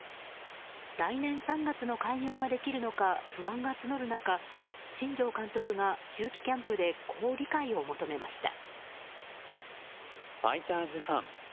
来年３月の開業ができるのか不安が募る中新庄監督が秋季キャンプでこう理解を求めました。